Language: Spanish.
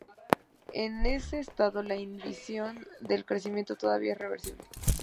En ese estado, la inhibición del crecimiento todavía es reversible.